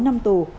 sáu năm tù